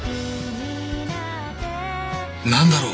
何だろう